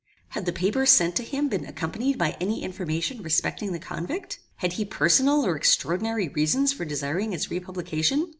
Had the paper sent to him been accompanied by any information respecting the convict? Had he personal or extraordinary reasons for desiring its republication?